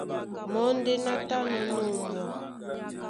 Mɔ́ ndé ná tánɔ̄ ná ombwa.